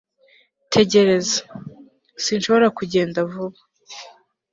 tegereza. sinshobora kugenda vuba